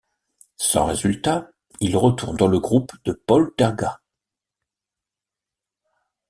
Sans résultat, il retourne dans le groupe de Paul Tergat.